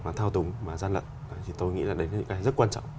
và thao túng và gian lận thì tôi nghĩ là đấy là những cái rất quan trọng